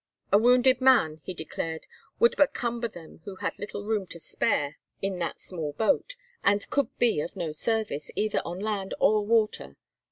A wounded man, he declared, would but cumber them who had little room to spare in that small boat, and could be of no service, either on land or water.